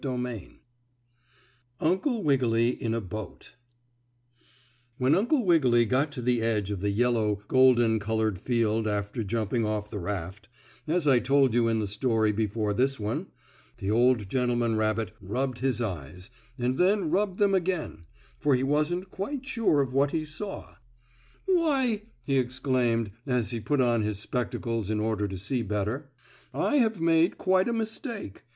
STORY V UNCLE WIGGILY IN A BOAT When Uncle Wiggily got to the edge of the yellow golden colored field after jumping off the raft, as I told you in the story before this one, the old gentleman rabbit rubbed his eyes, and then rubbed them again, for he wasn't quite sure of what he saw. "Why!" he exclaimed, as he put on his spectacles in order to see better. "I have made quite a mistake.